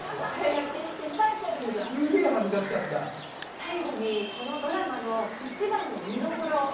最後にこのドラマの一番の見どころを。